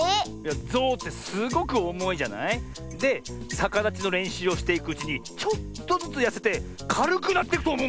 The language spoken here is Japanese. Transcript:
ゾウってすごくおもいじゃない？でさかだちのれんしゅうをしていくうちにちょっとずつやせてかるくなってくとおもうんだよ。